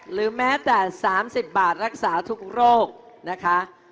หรือแม้แต่๓๐บาทรักษาทุกโรคนะคะ